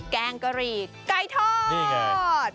แกงกะหรี่ไก่ทอด